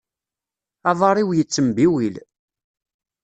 Aḍar-iw yettembiwil.